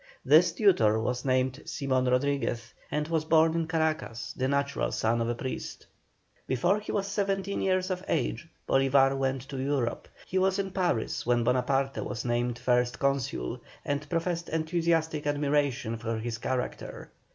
This tutor was named Simon Rodriguez, and was born in Caracas, the natural son of a priest. Before he was seventeen years of age, Bolívar went to Europe; he was in Paris when Bonaparte was named First Consul, and professed enthusiastic admiration for his character.